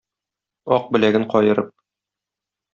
Ак беләген каерып